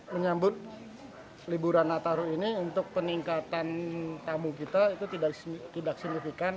menyambut liburan nataru ini untuk peningkatan tamu kita itu tidak signifikan